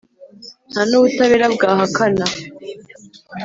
nta n'ubutabera bwahakana.